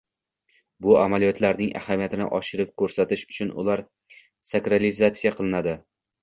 Bu amaliyotlarning ahamiyatini oshirib koʻrsatish uchun ular sakralizatsiya qilinadi